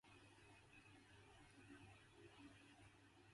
It lay north of Germania Superior; these two together made up Lesser Germania.